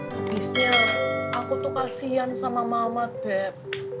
habisnya aku tuh kasian sama mamat beb